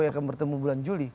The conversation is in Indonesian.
yang akan bertemu bulan juli